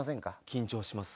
緊張します。